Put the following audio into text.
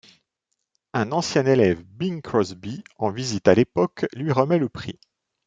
Un ancien élève Bing Crosby, en visite à l'époque, lui remet le prix.